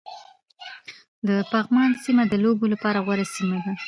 د پغمان سيمه د لوبو لپاره غوره سيمه ده